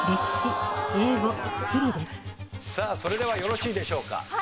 さあそれではよろしいでしょうか？